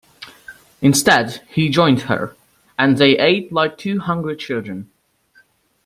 Instead, he joined her; and they ate like two hungry children.